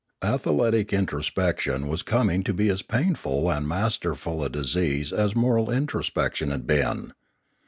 Athletic introspection was coming to be as painful and masterful a disease as moral intro spection had been.